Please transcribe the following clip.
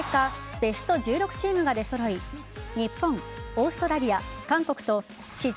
ベスト１６チームが出揃い日本、オーストラリア、韓国と史上